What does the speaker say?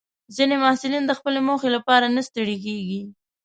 ځینې محصلین د خپلې موخې لپاره نه ستړي کېږي.